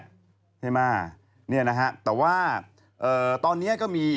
ใช่ม่ะเนี้ยนะฮะแต่ว่าเอ่อตอนเนี้ยก็มี